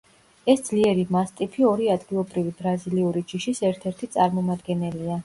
ეს ძლიერი მასტიფი ორი ადგილობრივი ბრაზილიური ჯიშის ერთ-ერთი წარმომადგენელია.